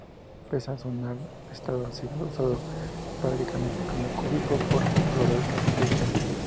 Pese a su mal estado ha sido usado esporádicamente como cobijo por exploradores deportivos.